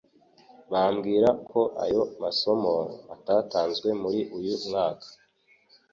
Bambwira ko ayo masomo, atatanzwe muri uyu mwaka.